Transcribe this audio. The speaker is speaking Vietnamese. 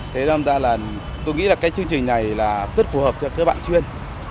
thế nên tôi nghĩ là cái chương trình này rất phù hợp cho các bạn chuyên